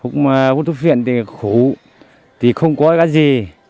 trước thì hút thuốc phiền thì khủ thì không có cái gì